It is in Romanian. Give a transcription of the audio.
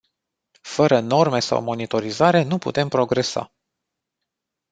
Fără norme sau monitorizare, nu putem progresa.